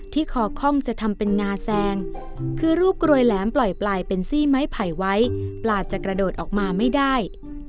คอค่อมจะทำเป็นงาแซงคือรูปกรวยแหลมปล่อยปลายเป็นซี่ไม้ไผ่ไว้ปลาจะกระโดดออกมาไม่ได้